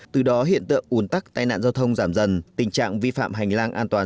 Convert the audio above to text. từ đó hiện tượng ủn tắc tai nạn giao thông giảm dần tình trạng vi phạm hành lang an toàn